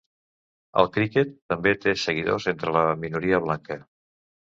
El criquet també té seguidors entre la minoria blanca.